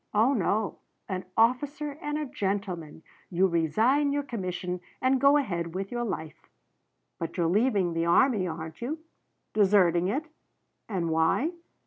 Oh no an officer and a gentleman you resign your commission and go ahead with your life. But you're leaving the army, aren't you? Deserting it. And why?